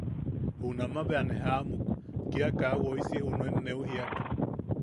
Junamaʼa bea ne jaʼamuk, kia kaa woisi junuen neu jiiak.